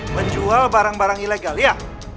menjual barang barang ilegal ya